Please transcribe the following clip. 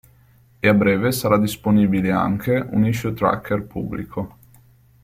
E a breve sarà disponibile anche un issue tracker pubblico.